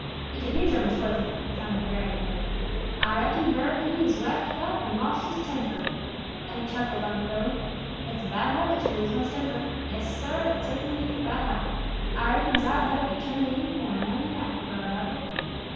They could hear Drummer's voice, and it sounded very angry. "Ah reckon Brer Coon was waked up and lost his temper," chuckled Unc' Billy. "It's a bad habit to lose one's temper. Yes, Sah, it cert'nly is a bad habit. Ah reckons Ah better be turning in fo' another nap, Brer Rabbit."